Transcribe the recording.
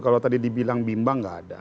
kalau tadi dibilang bimbang nggak ada